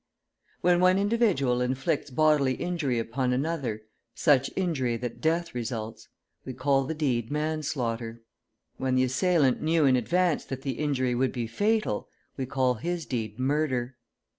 When one individual inflicts bodily injury upon another, such injury that death results, we call the deed manslaughter; when the assailant knew in advance that the injury would be fatal, we call his deed murder.